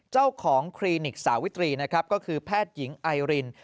เจ้าของคลินิกสาวิตรีก็คือแพทยิงไอริน